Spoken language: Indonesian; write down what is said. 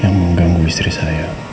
yang mengganggu istri saya